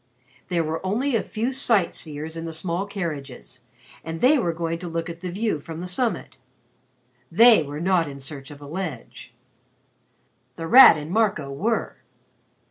There were only a few sight seers in the small carriages, and they were going to look at the view from the summit. They were not in search of a ledge. The Rat and Marco were.